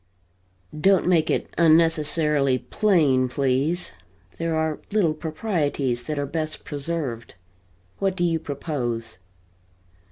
"Don't make it unnecessarily plain, please. There are little proprieties that are best preserved. What do you propose?"